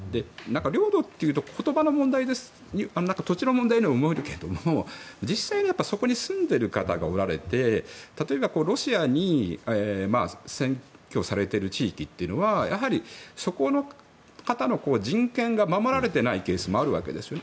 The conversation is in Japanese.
領土というと言葉の問題で土地の問題にも思えるけど実際にそこに住んでいる方がおられて例えば、ロシアに占拠されている地域というのはそこの方の人権が守られていないケースもあるわけですよね。